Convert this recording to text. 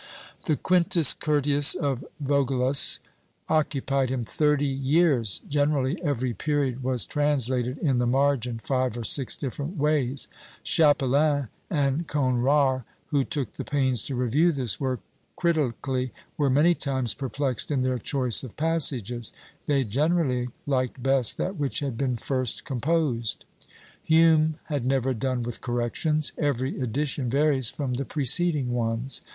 The Quintus Curtius of Vaugelas occupied him thirty years: generally every period was translated in the margin five or six different ways. Chapelain and Conrart, who took the pains to review this work critically, were many times perplexed in their choice of passages; they generally liked best that which had been first composed. Hume had never done with corrections; every edition varies from the preceding ones.